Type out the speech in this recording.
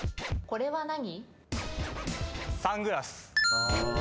これは何？